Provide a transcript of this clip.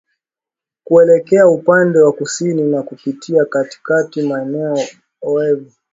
kuelekea upande wa kusini na kupitia katika maeneo oevu